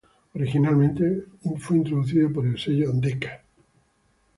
Originalmente introducido por el sello Decca.